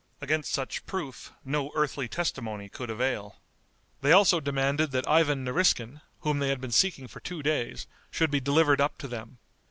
Against such proof no earthly testimony could avail. They also demanded that Ivan Nariskin, whom they had been seeking for two days, should be delivered up to them.